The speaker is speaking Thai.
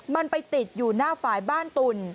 มันไปติดอยู่หน้าฝ่ายบ้านตุ่น